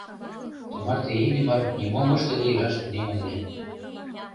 Тымарте Иллимар нимом ыштыде илаш тунемын ыле.